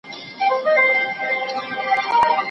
ایا ځايي کروندګر چارمغز صادروي؟